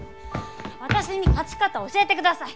私に勝ち方を教えてください。